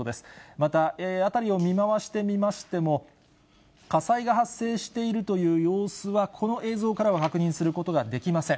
また辺りを見回してみましても、火災が発生しているという様子は、この映像からは確認することはできません。